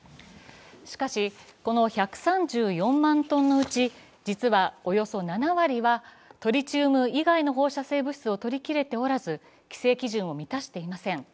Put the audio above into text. しかし、この１３４万トンのうち実はおよそ７割はトリチウム以外の放射性物質を取りきれておらず規制基準を満たしていません。